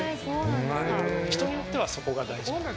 人によってはそこが大事。